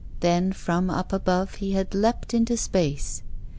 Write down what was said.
Then from up above he had leapt into space.